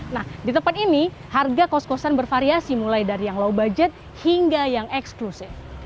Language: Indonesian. nah di tempat ini harga kos kosan bervariasi mulai dari yang low budget hingga yang eksklusif